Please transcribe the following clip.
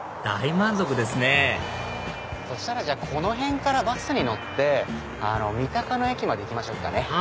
大満足ですねそしたらこの辺からバスに乗って三鷹の駅まで行きましょうかね。